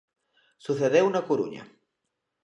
Sucedeu na Coruña.